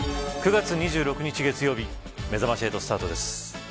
９月２６日月曜日めざまし８スタートです。